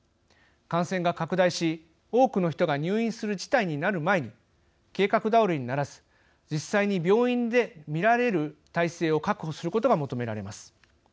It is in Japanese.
感染が拡大し、多くの人が入院する事態になる前に計画倒れにならず実際に病院で診られる体制を確保することが求められます。